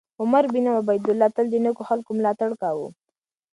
عمر بن عبیدالله تل د نېکو خلکو ملاتړ کاوه.